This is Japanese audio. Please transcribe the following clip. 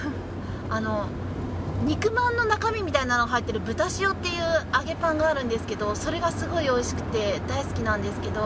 あの肉まんの中身みたいなのが入ってる豚塩っていう揚げパンがあるんですけどそれがすごいおいしくて大好きなんですけど。